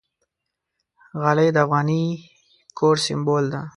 غالۍ د افغاني کور سِمبول ده.